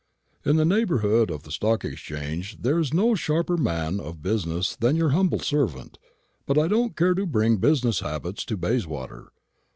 In the neighbourhood of the Stock Exchange there is no sharper man of business than your humble servant; but I don't care to bring business habits to Bayswater.